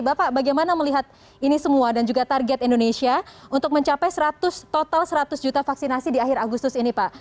bapak bagaimana melihat ini semua dan juga target indonesia untuk mencapai total seratus juta vaksinasi di akhir agustus ini pak